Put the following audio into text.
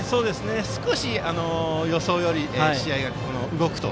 少し、予想より試合が動くと。